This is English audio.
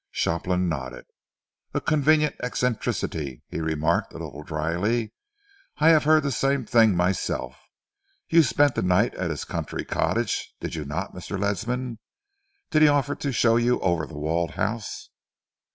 Shopland nodded. "A convenient eccentricity," he remarked, a little drily. "I have heard the same thing myself. You spent the night at his country cottage, did you not, Mr. Ledsam? Did he offer to show you over The Walled House?"